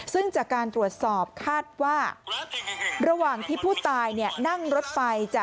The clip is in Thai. ซึ่งจากการตรวจสอบคาดว่าระหว่างที่ผู้ตายนั่งรถไฟ